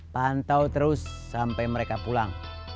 pantau terus sampai mereka pulang